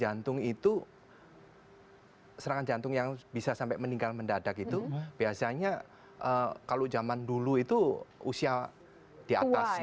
hai seo ec jatung yang bisa sampai meninggal mendedet biasanya kalau zaman dulu itu usia diatasi